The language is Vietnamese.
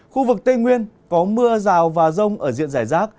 khu vực tây nguyên có mưa rào và rông ở diện giải rác